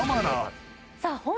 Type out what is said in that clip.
さあ